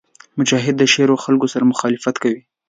مجاهد د شریرو خلکو سره مخالفت کوي.